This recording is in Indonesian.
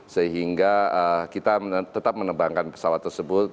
sehingga kita tetap menebangkan pesawat tersebut